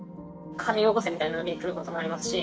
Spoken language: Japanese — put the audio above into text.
「金寄こせ」みたいな来ることもありますし。